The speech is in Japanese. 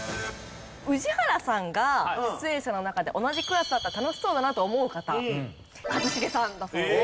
宇治原さんが出演者の中で同じクラスだったら楽しそうだなと思う方一茂さんだそうです。